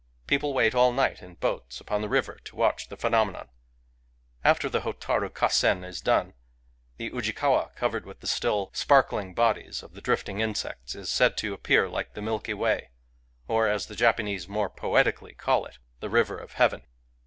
People wait all night in boats upon the river to watch the phenomenon. After the Hotaru Kassen is done, the Ujikawa, covered with the still Digitized by Googk 144 FIREFLIES sparkling bodies of the drifting insects, is said to appear like the Milky Way, or, as the Japanese < more poetically call it, the River of Heaven.